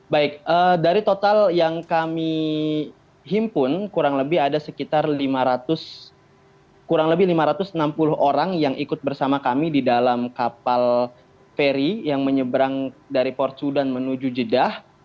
baik dari total yang kami himpun kurang lebih ada sekitar kurang lebih lima ratus enam puluh orang yang ikut bersama kami di dalam kapal feri yang menyeberang dari portudan menuju jeddah